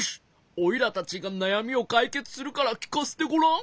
おいらたちがなやみをかいけつするからきかせてごらん。